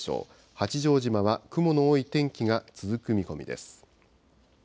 八丈島は雲の多い天気が続く見込みです。